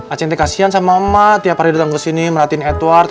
acing ini kasian sama ma tiap hari datang kesini perhatiin edward